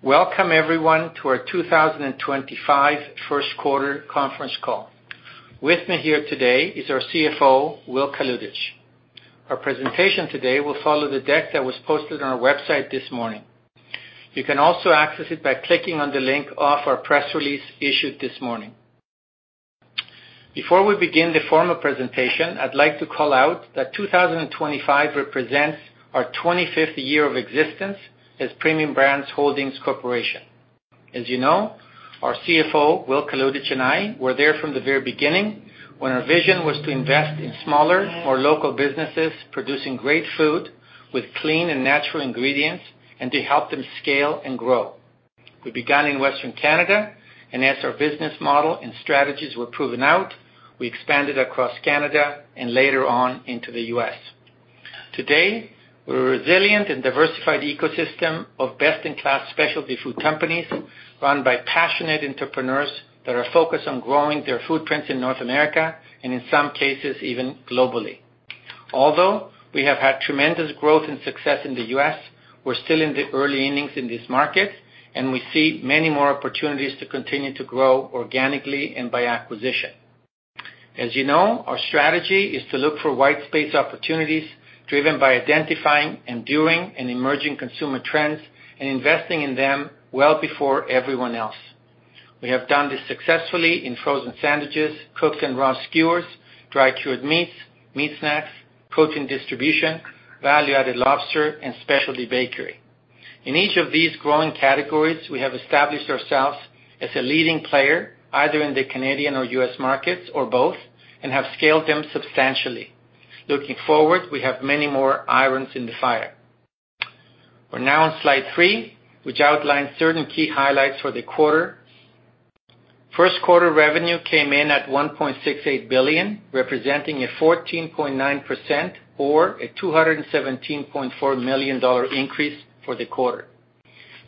Welcome, everyone, to our 2025 First Quarter Conference Call. With me here today is our CFO, Will Kalutycz. Our presentation today will follow the deck that was posted on our website this morning. You can also access it by clicking on the link of our press release issued this morning. Before we begin the formal presentation, I'd like to call out that 2025 represents our 25th year of existence as Premium Brands Holdings Corporation. As you know, our CFO, Will Kalutycz and I, were there from the very beginning when our vision was to invest in smaller, more local businesses producing great food with clean and natural ingredients and to help them scale and grow. We began in Western Canada, and as our business model and strategies were proven out, we expanded across Canada and later on into the U.S. Today, we're a resilient and diversified ecosystem of best-in-class specialty food companies run by passionate entrepreneurs that are focused on growing their footprints in North America and, in some cases, even globally. Although we have had tremendous growth and success in the U.S., we're still in the early innings in this market, and we see many more opportunities to continue to grow organically and by acquisition. As you know, our strategy is to look for white space opportunities driven by identifying enduring and emerging consumer trends and investing in them well before everyone else. We have done this successfully in frozen sandwiches, cooked and raw skewers, dry-cured meats, meat snacks, protein distribution, value-added lobster, and specialty bakery. In each of these growing categories, we have established ourselves as a leading player either in the Canadian or U.S. markets or both, and have scaled them substantially. Looking forward, we have many more irons in the fire. We're now on slide three, which outlines certain key highlights for the quarter. First quarter revenue came in at 1.68 billion, representing a 14.9% or a 217.4 million dollar increase for the quarter.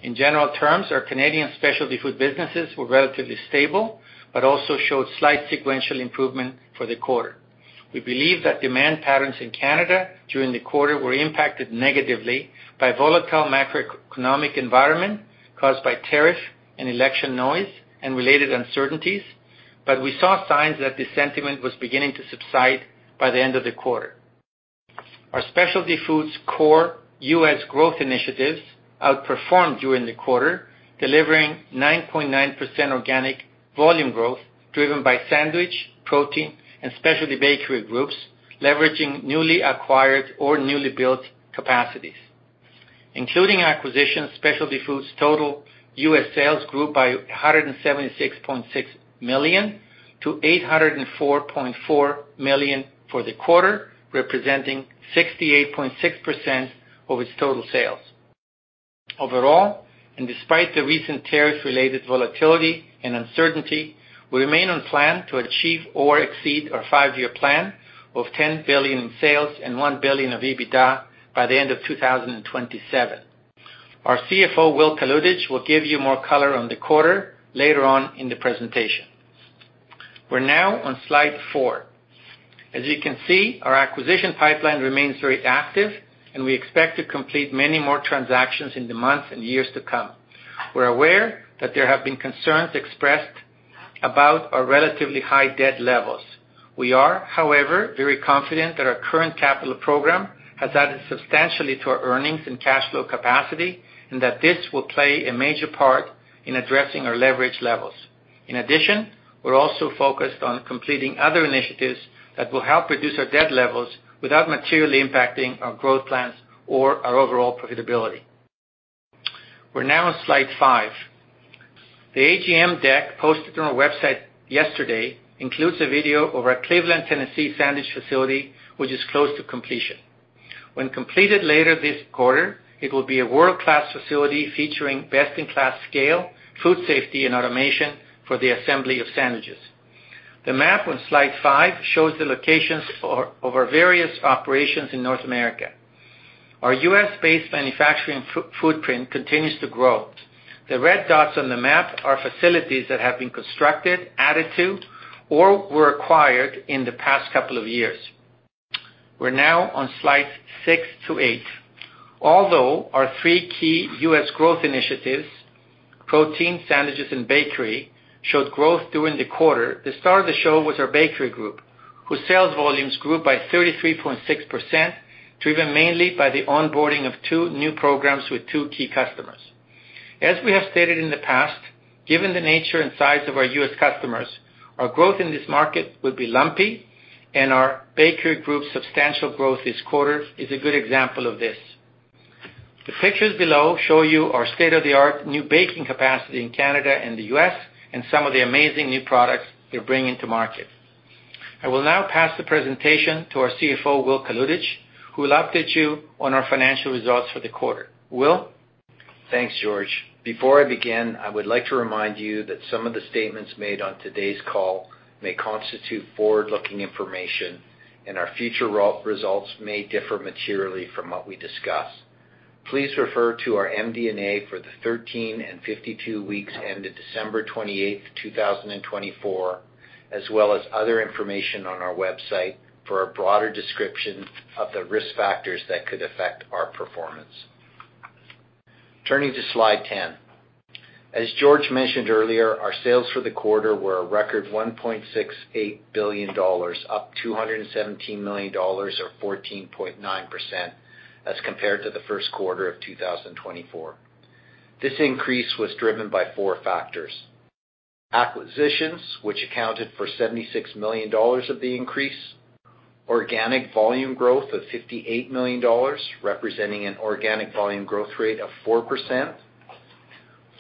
In general terms, our Canadian specialty food businesses were relatively stable but also showed slight sequential improvement for the quarter. We believe that demand patterns in Canada during the quarter were impacted negatively by a volatile macroeconomic environment caused by tariffs and election noise and related uncertainties, but we saw signs that this sentiment was beginning to subside by the end of the quarter. Our specialty foods' core U.S. growth initiatives outperformed during the quarter, delivering 9.9% organic volume growth driven by sandwich, protein, and specialty bakery groups leveraging newly acquired or newly built capacities. Including acquisitions, specialty foods' total U.S. sales grew by 176.6 million to 804.4 million for the quarter, representing 68.6% of its total sales. Overall, and despite the recent tariff-related volatility and uncertainty, we remain on plan to achieve or exceed our five-year plan of 10 billion in sales and 1 billion of EBITDA by the end of 2027. Our CFO, Will Kalutycz, will give you more color on the quarter later on in the presentation. We are now on slide four. As you can see, our acquisition pipeline remains very active, and we expect to complete many more transactions in the months and years to come. We are aware that there have been concerns expressed about our relatively high debt levels. We are, however, very confident that our current capital program has added substantially to our earnings and cash flow capacity and that this will play a major part in addressing our leverage levels. In addition, we're also focused on completing other initiatives that will help reduce our debt levels without materially impacting our growth plans or our overall profitability. We're now on slide five. The AGM deck posted on our website yesterday includes a video of our Cleveland, Tennessee sandwich facility, which is close to completion. When completed later this quarter, it will be a world-class facility featuring best-in-class scale, food safety, and automation for the assembly of sandwiches. The map on slide five shows the locations of our various operations in North America. Our U.S.-based manufacturing footprint continues to grow. The red dots on the map are facilities that have been constructed, added to, or were acquired in the past couple of years. We're now on slides six to eight. Although our three key U.S. growth initiatives, protein, sandwiches, and bakery, showed growth during the quarter, the star of the show was our bakery group, whose sales volumes grew by 33.6%, driven mainly by the onboarding of two new programs with two key customers. As we have stated in the past, given the nature and size of our U.S. customers, our growth in this market will be lumpy, and our bakery group's substantial growth this quarter is a good example of this. The pictures below show you our state-of-the-art new baking capacity in Canada and the U.S. and some of the amazing new products they're bringing to market. I will now pass the presentation to our CFO, Will Kalutycz, who will update you on our financial results for the quarter. Will. Thanks, George. Before I begin, I would like to remind you that some of the statements made on today's call may constitute forward-looking information, and our future results may differ materially from what we discuss. Please refer to our MD&A for the 13 and 52 weeks ended December 28, 2024, as well as other information on our website for a broader description of the risk factors that could affect our performance. Turning to slide ten. As George mentioned earlier, our sales for the quarter were a record 1.68 billion dollars, up 217 million dollars or 14.9% as compared to the first quarter of 2024. This increase was driven by four factors: acquisitions, which accounted for 76 million dollars of the increase; organic volume growth of 58 million dollars, representing an organic volume growth rate of 4%;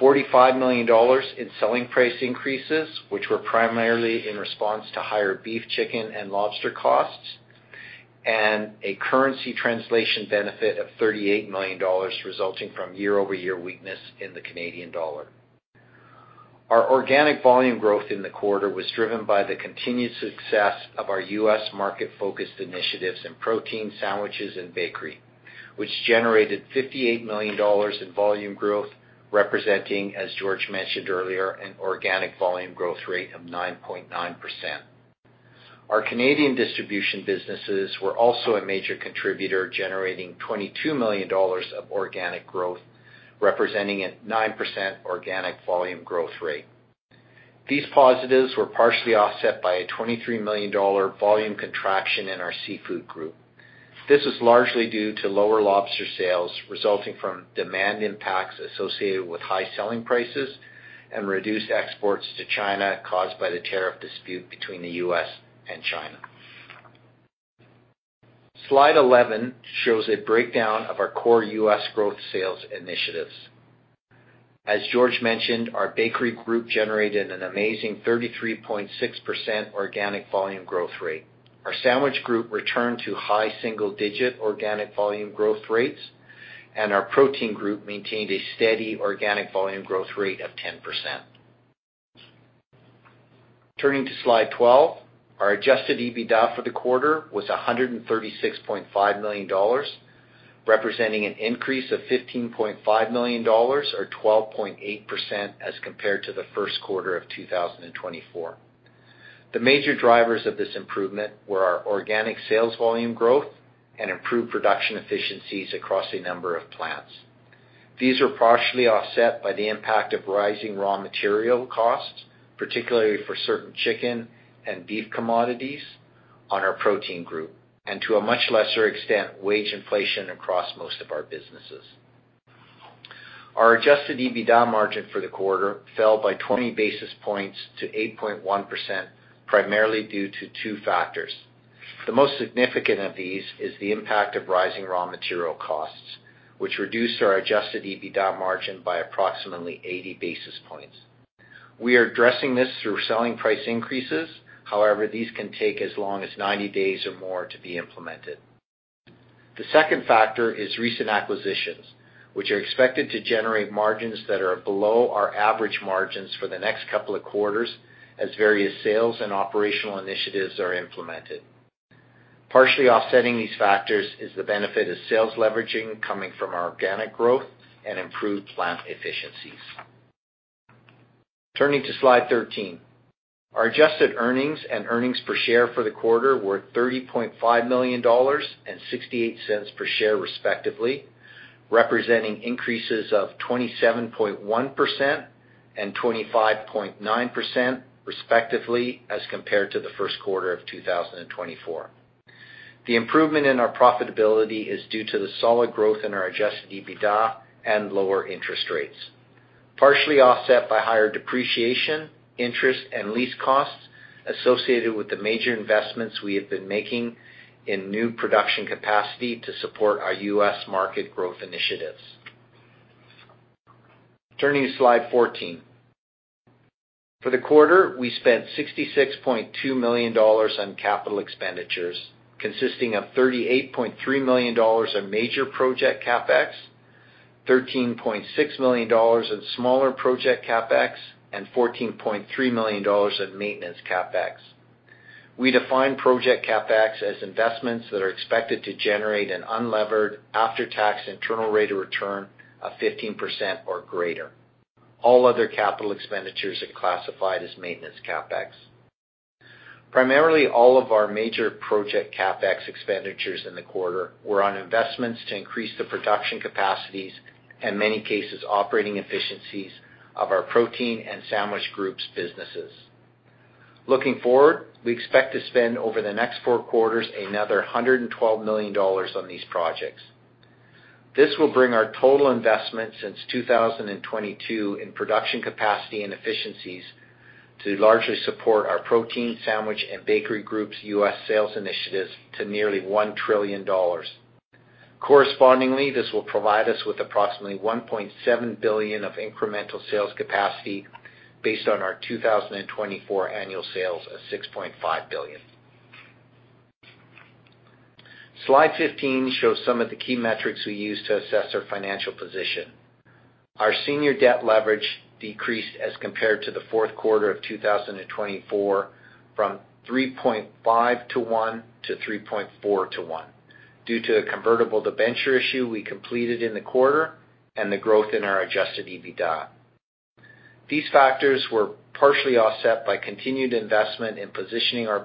45 million dollars in selling price increases, which were primarily in response to higher beef, chicken, and lobster costs; and a currency translation benefit of 38 million dollars, resulting from year-over-year weakness in the Canadian dollar. Our organic volume growth in the quarter was driven by the continued success of our U.S. market-focused initiatives in protein, sandwiches, and bakery, which generated 58 million dollars in volume growth, representing, as George mentioned earlier, an organic volume growth rate of 9.9%. Our Canadian distribution businesses were also a major contributor, generating 22 million dollars of organic growth, representing a 9% organic volume growth rate. These positives were partially offset by a 23 million dollar volume contraction in our seafood group. This was largely due to lower lobster sales resulting from demand impacts associated with high selling prices and reduced exports to China caused by the tariff dispute between the U.S. and China. Slide 11 shows a breakdown of our core U.S. growth sales initiatives. As George mentioned, our bakery group generated an amazing 33.6% organic volume growth rate. Our sandwich group returned to high single-digit organic volume growth rates, and our protein group maintained a steady organic volume growth rate of 10%. Turning to slide 12, our adjusted EBITDA for the quarter was 136.5 million dollars, representing an increase of 15.5 million dollars or 12.8% as compared to the first quarter of 2024. The major drivers of this improvement were our organic sales volume growth and improved production efficiencies across a number of plants. These were partially offset by the impact of rising raw material costs, particularly for certain chicken and beef commodities on our protein group, and to a much lesser extent, wage inflation across most of our businesses. Our adjusted EBITDA margin for the quarter fell by 20 basis points to 8.1%, primarily due to two factors. The most significant of these is the impact of rising raw material costs, which reduced our adjusted EBITDA margin by approximately 80 basis points. We are addressing this through selling price increases; however, these can take as long as 90 days or more to be implemented. The second factor is recent acquisitions, which are expected to generate margins that are below our average margins for the next couple of quarters as various sales and operational initiatives are implemented. Partially offsetting these factors is the benefit of sales leveraging coming from our organic growth and improved plant efficiencies. Turning to slide 13, our adjusted earnings and earnings per share for the quarter were 30.5 million dollars and 0.68 per share, respectively, representing increases of 27.1% and 25.9%, respectively, as compared to the first quarter of 2024. The improvement in our profitability is due to the solid growth in our adjusted EBITDA and lower interest rates, partially offset by higher depreciation, interest, and lease costs associated with the major investments we have been making in new production capacity to support our US market growth initiatives. Turning to slide 14, for the quarter, we spent 66.2 million dollars on capital expenditures, consisting of 38.3 million dollars on major project CapEx, 13.6 million dollars on smaller project CapEx, and 14.3 million dollars on maintenance CapEx. We define project CapEx as investments that are expected to generate an unlevered after-tax internal rate of return of 15% or greater. All other capital expenditures are classified as maintenance CapEx. Primarily, all of our major project CapEx expenditures in the quarter were on investments to increase the production capacities and, in many cases, operating efficiencies of our protein and sandwich groups' businesses. Looking forward, we expect to spend over the next four quarters another 112 million dollars on these projects. This will bring our total investment since 2022 in production capacity and efficiencies to largely support our protein, sandwich, and bakery groups' US sales initiatives to nearly 1 billion dollars. Correspondingly, this will provide us with approximately 1.7 billion of incremental sales capacity based on our 2024 annual sales of CAD 6.5 billion. Slide 15 shows some of the key metrics we use to assess our financial position. Our senior debt leverage decreased as compared to the fourth quarter of 2024 from 3.5:1 to 3.4:1 due to a convertible debenture issue we completed in the quarter and the growth in our adjusted EBITDA. These factors were partially offset by continued investment in positioning our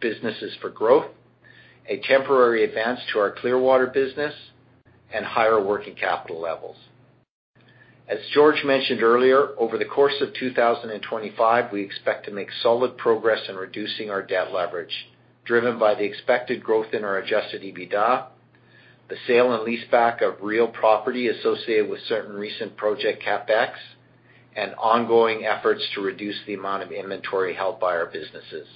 businesses for growth, a temporary advance to our Clearwater business, and higher working capital levels. As George mentioned earlier, over the course of 2025, we expect to make solid progress in reducing our debt leverage, driven by the expected growth in our adjusted EBITDA, the sale and leaseback of real property associated with certain recent project CapEx, and ongoing efforts to reduce the amount of inventory held by our businesses.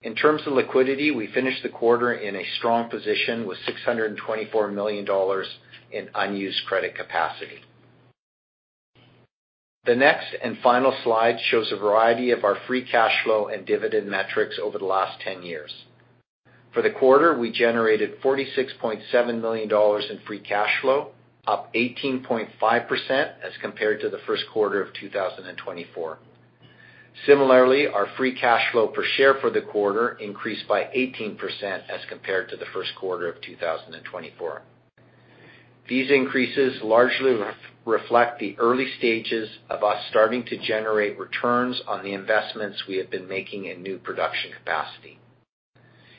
In terms of liquidity, we finished the quarter in a strong position with 624 million dollars in unused credit capacity. The next and final slide shows a variety of our free cash flow and dividend metrics over the last 10 years. For the quarter, we generated 46.7 million dollars in free cash flow, up 18.5% as compared to the first quarter of 2024. Similarly, our free cash flow per share for the quarter increased by 18% as compared to the first quarter of 2024. These increases largely reflect the early stages of us starting to generate returns on the investments we have been making in new production capacity.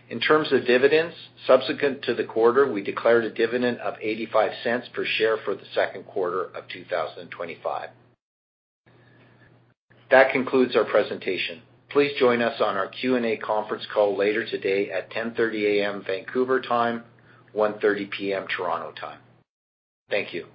In terms of dividends, subsequent to the quarter, we declared a dividend of 0.85 per share for the second quarter of 2025. That concludes our presentation. Please join us on our Q&A conference call later today at 10:30 A.M. Vancouver time, 1:30 P.M. Toronto time. Thank you.